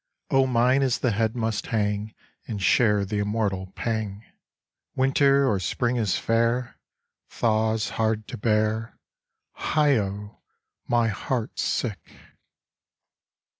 O mine is the head must hang And share the immortal pang! Winter or spring is fair; Thaw 's hard to bear. Heigho! my heart 's sick.